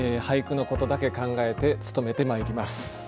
俳句のことだけ考えてつとめてまいります。